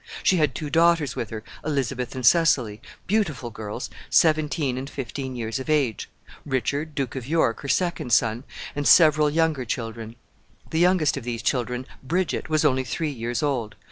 She had two daughters with her, Elizabeth and Cecily beautiful girls, seventeen and fifteen years of age; Richard, Duke of York, her second son, and several younger children. The youngest of these children, Bridget, was only three years old.